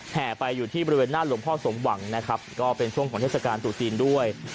แห่ไปอยู่ที่บริเวณหน้าหลวงพ่อสมหวังนะครับก็เป็นช่วงของเทศกาลตรุษจีนด้วย